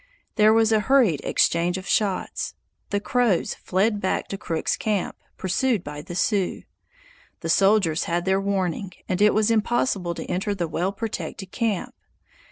There was a hurried exchange of shots; the Crows fled back to Crook's camp, pursued by the Sioux. The soldiers had their warning, and it was impossible to enter the well protected camp.